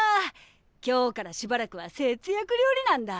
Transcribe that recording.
今日からしばらくは節約料理なんだ。